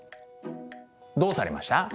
どうされました？